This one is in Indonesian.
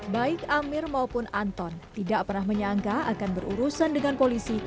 baik amir maupun anton tidak pernah menyangka akan berurusan dengan polisi